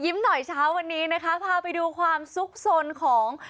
หน่อยเช้าวันนี้นะคะพาไปดูความสุขสนของ